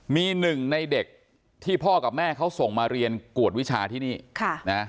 มีหนึ่งในเด็กที่พ่อกับแม่เขาส่งมาเรียนกวดวิชาที่นี่ค่ะนะ